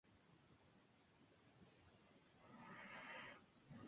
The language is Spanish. Sólo se encuentra en Venezuela.